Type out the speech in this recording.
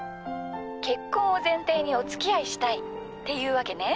結婚を前提にお付き合いしたいっていうわけネ。